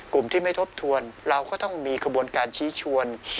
กลุ่มที่ไม่ทบทวนเราก็ต้องมีขบวนการชี้ชวน